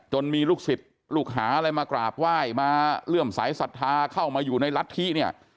มีลูกศิษย์ลูกหาอะไรมากราบไหว้มาเลื่อมสายศรัทธาเข้ามาอยู่ในรัฐธิเนี่ย